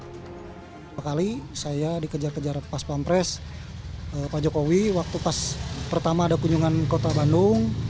beberapa kali saya dikejar kejar pas pampres pak jokowi waktu pas pertama ada kunjungan kota bandung